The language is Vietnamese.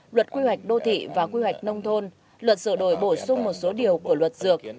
luật quy hoạch đô thị và quy hoạch nông thôn luật sửa đổi bổ sung một số điều của luật dược